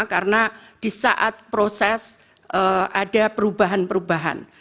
karena di saat proses ada perubahan perubahan